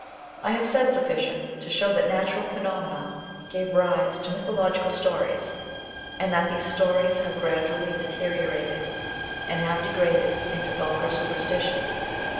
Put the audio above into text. I have said sufficient to show that natural phenomena gave rise to mythological stories, and that these stories have gradually deteriorated, and have been degraded into vulgar superstitions.